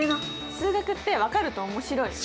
数学って分かると面白いよね。